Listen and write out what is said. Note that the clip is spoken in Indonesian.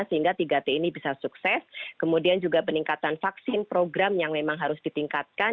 sehingga tiga t ini bisa sukses kemudian juga peningkatan vaksin program yang memang harus ditingkatkan